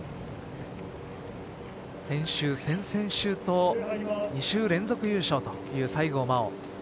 先週、先々週と２週連続優勝という西郷真央。